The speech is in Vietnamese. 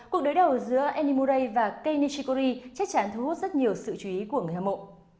cuộc đối đầu giữa eni murray và kei nishikori chắc chắn thu hút rất nhiều sự chú ý của người hâm mộ